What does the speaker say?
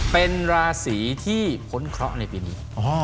เป็นราศีที่พ้นเคราะห์ในปีนี้